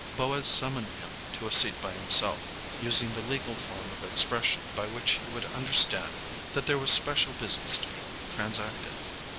Boaz summoned him to a seat by himself, using the legal form of expression by which he would understand that there was special business to be transacted.